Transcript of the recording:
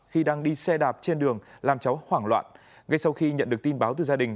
khi đang đi xe đạp trên đường làm cháu hoảng loạn ngay sau khi nhận được tin báo từ gia đình